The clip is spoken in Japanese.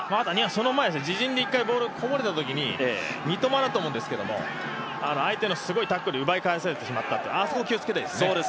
その前に自陣でボールがこぼれたときに三笘だと思うんですけども相手のすごいタックルで奪い返されてしまった、あそこ、気をつけたいですよね。